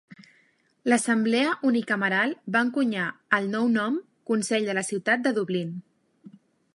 L'assemblea unicameral va encunyar el nou nom "Consell de la Ciutat de Dublín".